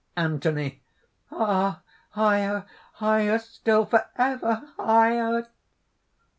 ANTHONY. "Ah! higher! higher still! forever higher!"